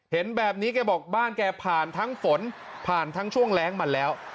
เห็นแบบนี้แกบอกบ้านแกผ่านทั้งฝนผ่านทั้งช่วงแรงมาแล้ว